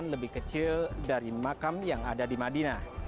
lebih kecil dari makam yang ada di madinah